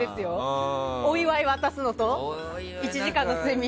お祝い渡すのと１時間の睡眠？